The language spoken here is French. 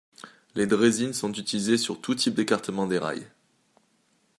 Les draisines sont utilisées sur tout type d'écartement des rails.